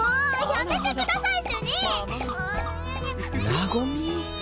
和み